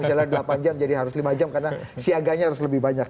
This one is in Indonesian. misalnya delapan jam jadi harus lima jam karena siaganya harus lebih banyak